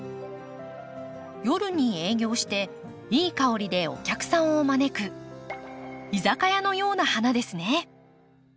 夜に営業していい香りでお客さんを招く居酒屋のような花ですね。